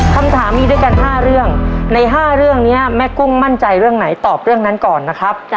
คำถามมีด้วยกัน๕เรื่องใน๕เรื่องนี้แม่กุ้งมั่นใจเรื่องไหนตอบเรื่องนั้นก่อนนะครับ